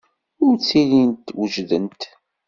Ur ttilint wejdent.